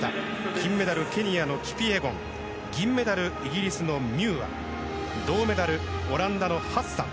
金メダル、ケニアのキピエゴ銀メダル、イギリスのミューア銅メダル、オランダのハッサン。